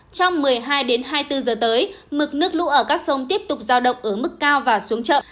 trong một mươi hai hai mươi bốn giờ tới mực nước lũ ở các sông tiếp tục giao động ở mức cao và xuống chậm